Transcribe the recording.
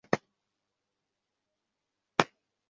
আমাদের মাটিতে হামলা হয়েছে।